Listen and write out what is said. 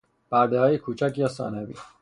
پرده های کوچک یا ثانوی